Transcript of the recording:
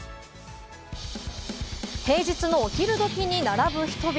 平日のお昼時に並ぶ人々。